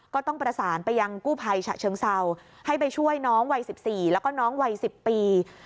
ก็ต้องประสานไปยังกู้ภัยฉะเชิงเศร้าให้ไปช่วยน้องวัย๑๔แล้วก็น้องวัย๑๐ปี